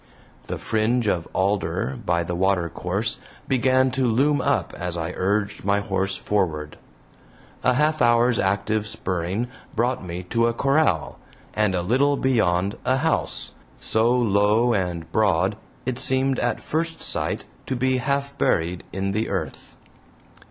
The fringe of alder by the watercourse began to loom up as I urged my horse forward. A half hour's active spurring brought me to a corral, and a little beyond a house, so low and broad it seemed at first sight to be half buried in the earth.